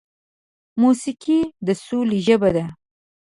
موسیقي د سولې ژبه ده.